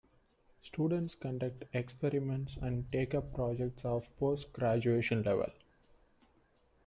Students conduct experiments and take up projects of post graduation level.